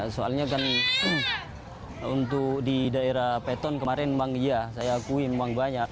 soalnya kan untuk di daerah peton kemarin memang iya saya akuin uang banyak